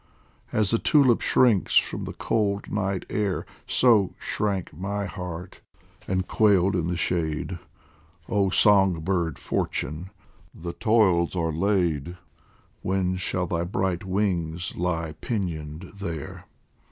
As the tulip shrinks from the cold night air, So shrank my heart and quailed in the shade ; Oh Song bird Fortune, the toils are laid, When shall thy bright wings lie pinioned there